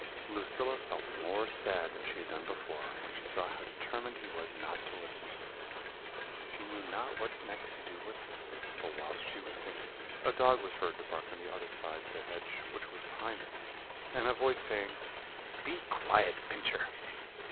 "Lucilla felt more sad than she had done before, when she saw how determined he was not to listen to her. She knew not what next to do or say; but whilst she was thinking, a dog was heard to bark on the other side the hedge which was behind them, and a voice saying, 'Be quiet, Pincher.'